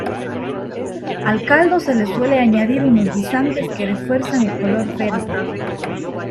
Al caldo se le suele añadir unos guisantes que refuerzan el color verde.